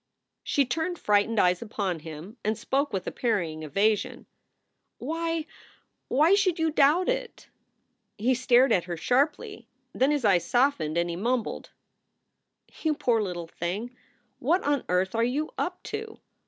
She turned frightened eyes upon him and spoke with a parrying evasion: "Why, why should you doubt it?" He stared at her sharply; then his eyes softened and he mumbled : "You poor little thing! What on earth are you up to?